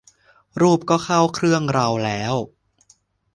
รูปก็เข้าเครื่องเราแล้ว